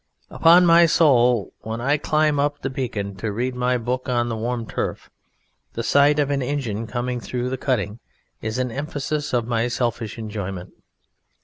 Upon my soul, when I climb up the Beacon to read my book on the warm turf, the sight of an engine coming through the cutting is an emphasis of my selfish enjoyment.